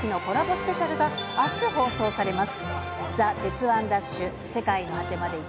スペシャルがあす放送されます。